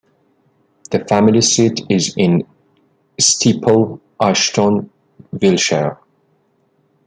The family seat is in Steeple Ashton, Wiltshire.